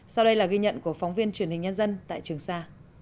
sau đây là ghi nhận của phóng viên truyền hình nhân dân tại trường sa